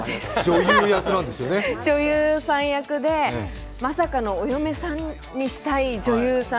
女優役でまさかのお嫁さんにしたい女優さん